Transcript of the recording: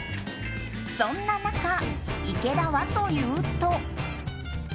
そんな中、池田はというと。